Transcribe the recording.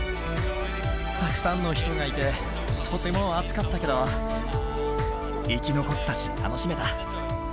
たくさんの人がいて、とても暑かったけど、生き残ったし、楽しめた。